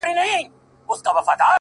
نن ملا په خوله کي بيا ساتلی گاز دی!